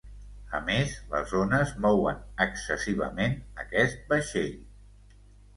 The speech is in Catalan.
A més, les ones mouen excessivament aquest vaixell.